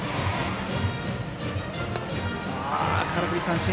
空振り三振。